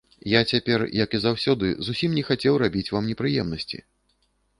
Я цяпер, як і заўсёды, зусім не хацеў рабіць вам непрыемнасці.